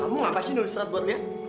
kamu ngapasih nulis surat buat lia